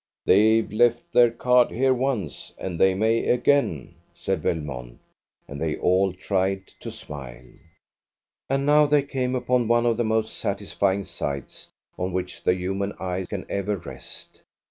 "They've left their card here once, and they may again," said Belmont, and they all tried to smile. And now they came upon one of the most satisfying sights on which the human eye can ever rest.